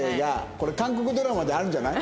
これ韓国ドラマであるんじゃない？